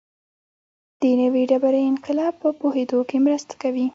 د نوې ډبرې انقلاب په پوهېدو کې مرسته کوي.